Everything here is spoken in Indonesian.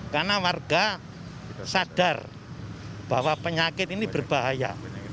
karena warga sadar bahwa penyakit ini berbahaya